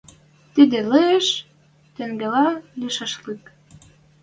Тӹдӹ лиэш, тенгелӓ лишӓшлык.